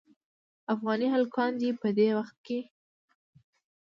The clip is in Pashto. افغاني هلکان دې په دې وخت کې.